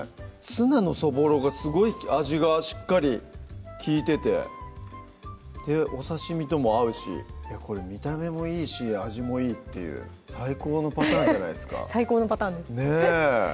ツナのそぼろがすごい味がしっかり利いててでお刺身とも合うしこれ見た目もいいし味もいいっていう最高のパターンじゃないですか最高のパターンです